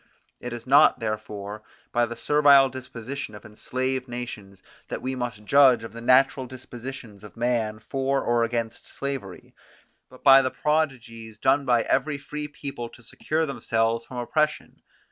It is not therefore by the servile disposition of enslaved nations that we must judge of the natural dispositions of man for or against slavery, but by the prodigies done by every free people to secure themselves from oppression.